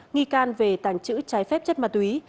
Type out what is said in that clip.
nghi can về tành chữ trái phép chất ma túy